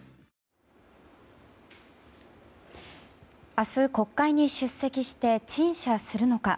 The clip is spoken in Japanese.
明日、国会に出席して陳謝するのか。